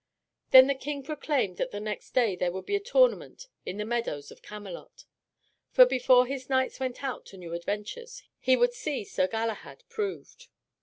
Then the King proclaimed that the next day there would be a tournament in the meadows of Camelot. For before his knights went out to new adventures, he would see Sir Galahad proved.